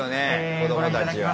子どもたちは。